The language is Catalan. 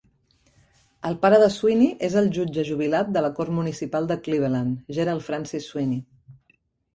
El pare de Sweeney és el jutge jubilat de la Cort Municipal de Cleveland, Gerald Francis Sweeney.